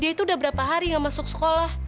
dia itu udah berapa hari gak masuk sekolah